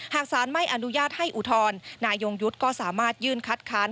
หากสารไม่อนุญาตให้อุทธรณ์นายยงยุทธ์ก็สามารถยื่นคัดค้าน